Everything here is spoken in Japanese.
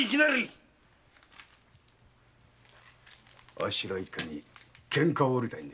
あっしら一家にケンカを売りたいんで？